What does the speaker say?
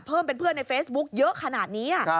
เพื่อนเป็นเพื่อนในเฟซบุ๊กเยอะขนาดนี้